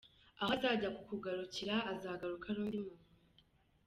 Aho azajya kukugarukira, azaza ari undi muntu.